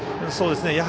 そうですね。